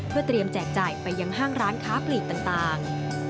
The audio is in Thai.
เพื่อเตรียมแจกจ่ายไปยังห้างร้านค้าปลีกต่าง